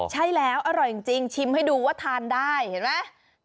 ใช่แล้วอร่อยจริงชิมให้ดูว่าทานได้เห็นไหม